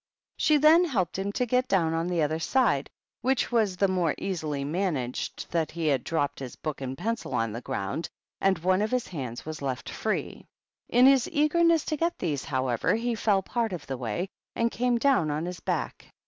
She then helped him to get down on the other side, which was the more easily managed that he had dropped his book and pencil on the ground, and one of his hands was left free. In his eagerness to get these, however, he fell part of the way and came down on his back.